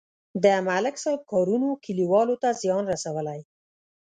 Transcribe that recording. د ملک صاحب کارونو کلیوالو ته زیان رسولی.